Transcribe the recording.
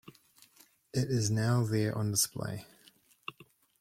It is now there on display.